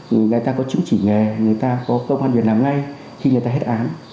người ta có chứng chỉ nghề người ta có công an việt nam ngay khi người ta hết án